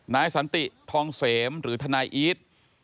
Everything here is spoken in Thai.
นายสันติทองเสมหรือทนายอีท